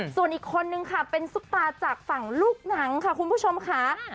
ส่วนอีกคนนึงค่ะเป็นซุปตาจากฝั่งลูกหนังค่ะคุณผู้ชมค่ะ